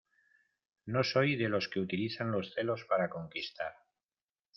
no soy de los que utilizan los celos para conquistar